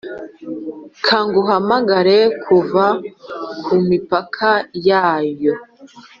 nkaguhamagara kuva ku mipaka yayo,